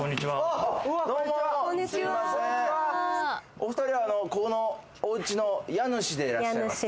お２人、ここのおうちの家主でいらっしゃいますか？